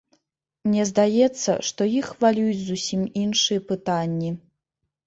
Мне здаецца, што іх хвалююць зусім іншыя пытанні.